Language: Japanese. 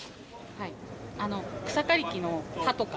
草刈り機の刃とか。